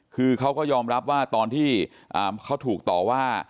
คือเขาก็ยอมรับว่าตอนที่เขาถูกต่อว่า